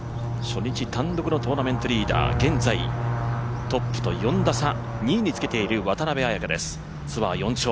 初日単独のトーナメントリーダー、現在、トップと４打差、２位につけている渡邉彩香です。